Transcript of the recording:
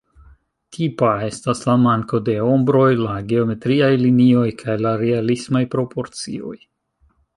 Tipa estas la manko de ombroj, la geometriaj linioj, kaj la realismaj proporcioj.